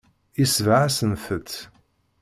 Yesbeɣ-asent-t.